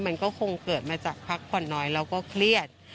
มันก็คงเกิดมาจากพักผ่อนน้อยแล้วก็เครียด